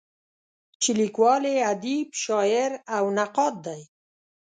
چې لیکوال یې ادیب، شاعر او نقاد دی.